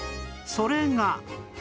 それが